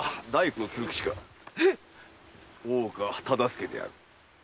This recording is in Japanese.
大岡忠相である。